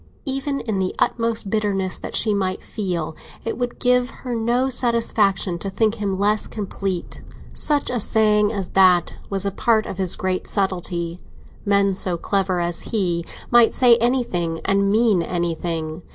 Even in the utmost bitterness that she might feel, it would give her no satisfaction to think him less complete. Such a saying as that was a part of his great subtlety—men so clever as he might say anything and mean anything.